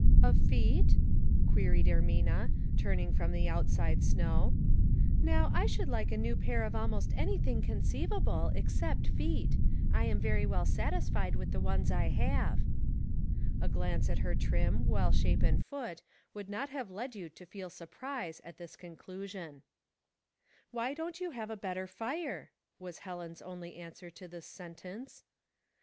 "Of feet?" queried Ermina, turning from the outside snow. " Now, I should like a new pair of almost anything conceivable, except feet; I am very well satisfied with the ones I have." A glance at her trim, well shapen foot would not have led you to feel surprise at this conclu sion. "Why don't you have a better fire?" was Helen's only answer to this sentence.